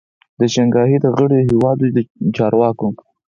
د شانګهای د غړیو هیوادو د چارواکو